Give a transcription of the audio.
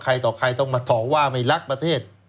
ต่อใครต้องมาต่อว่าไม่รักประเทศ